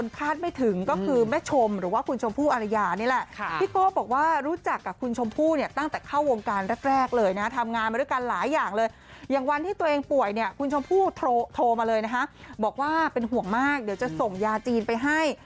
คุณผู้โทรมาเลยนะคะแฟนคลับบอกว่าเป็นห่วงมากเดี๋ยวจะส่งยาจีนไปให้